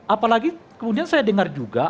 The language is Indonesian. apalagi kemudian saya dengar juga